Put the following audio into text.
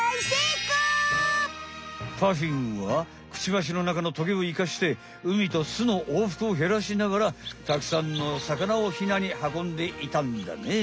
パフィンはクチバシの中のトゲをいかしてうみとすのおうふくをへらしながらたくさんの魚をヒナにはこんでいたんだね。